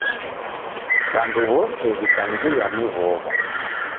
W'andu w'ose w'ikangilwa ni w'ow'a.